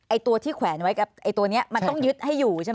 ตัวที่แขวนไว้กับไอ้ตัวนี้มันต้องยึดให้อยู่ใช่ไหม